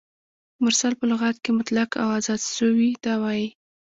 مرسل په لغت کښي مطلق او آزاد سوي ته وايي.